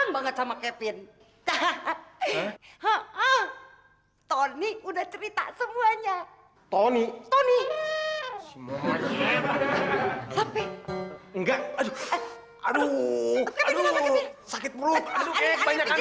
banget sama kevin hahaha hahaha toni udah cerita soalnya aku mau nyuruh nyuruh dro idea tuh saya mau nyuruh nyuruh aja ya